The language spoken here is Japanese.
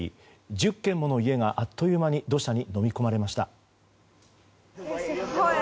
１０軒もの家が、あっという間に土砂にのみ込まれました。